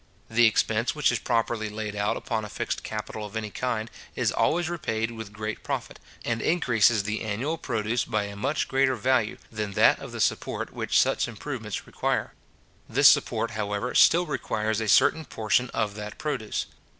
The expense which is properly laid out upon a fixed capital of any kind, is always repaid with great profit, and increases the annual produce by a much greater value than that of the support which such improvements require. This support, however, still requires a certain portion of that produce.